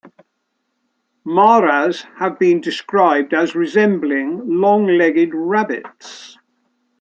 Maras have been described as resembling long-legged rabbits.